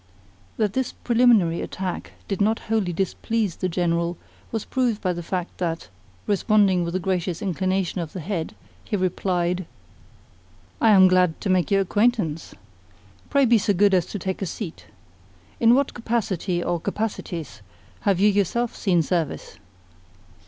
That this preliminary attack did not wholly displease the General was proved by the fact that, responding with a gracious inclination of the head, he replied: "I am glad to make your acquaintance. Pray be so good as to take a seat. In what capacity or capacities have you yourself seen service?"